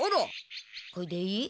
これでいい？